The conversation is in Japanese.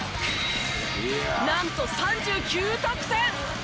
なんと３９得点。